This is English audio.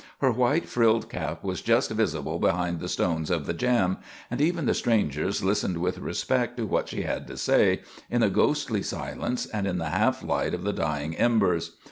Her white frilled cap was just visible behind the stones of the jamb, and even the strangers listened with respect to what she had to say, in the ghostly silence and in the half light of the dying embers.